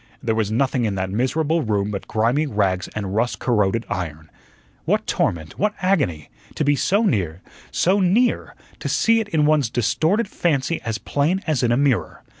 There was nothing in that miserable room but grimy rags and rust corroded iron. What torment! what agony! to be so near so near, to see it in one's distorted fancy as plain as in a mirror.